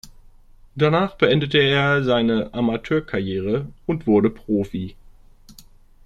Danach beendete er seine Amateurkarriere und wurde Profi.